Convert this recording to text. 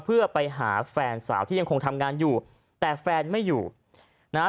เพื่อไปหาแฟนสาวที่ยังคงทำงานอยู่แต่แฟนไม่อยู่นะฮะ